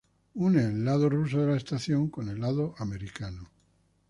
Une el lado ruso de la estación con el lado americano.